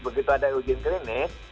begitu ada uji klinis